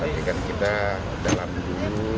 nantikan kita dalam dulu